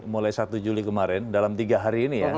mulai satu juli kemarin dalam tiga hari ini ya